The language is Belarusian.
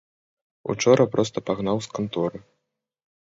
Учора проста пагнаў з канторы.